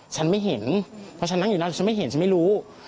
ฉันไม่เห็นเพราะฉันนั่งอยู่นั่นฉันไม่เห็นฉันไม่รู้